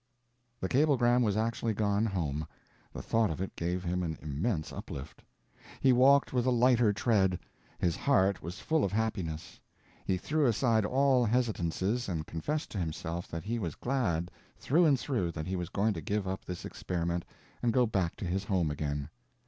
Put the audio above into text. The cablegram was actually gone home! the thought of it gave him an immense uplift. He walked with a lighter tread. His heart was full of happiness. He threw aside all hesitances and confessed to himself that he was glad through and through that he was going to give up this experiment and go back to his home again.